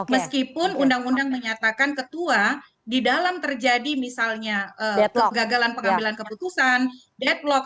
meskipun undang undang menyatakan ketua di dalam terjadi misalnya kegagalan pengambilan keputusan deadlock